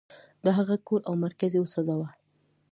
د هغه کور او مرکز یې وسوځاوه.